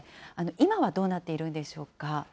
今はどうなっているんでしょうか。